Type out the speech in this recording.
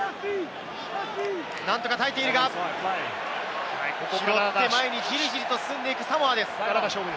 何とか耐えているが、拾って前にじりじりと進んでいくサモアです。